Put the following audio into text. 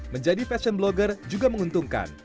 menjadi fashion blogger juga menguntungkan